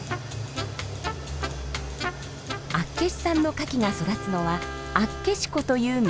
厚岸産のカキが育つのは厚岸湖という湖。